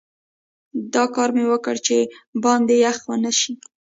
دا کار مې وکړ چې باندې یخ ونه شي.